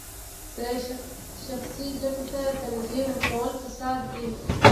شخصي ګټو ته ترجیح ورکول فساد دی.